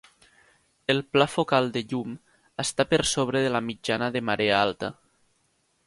El pla focal de llum està per sobre de la mitjana de marea alta.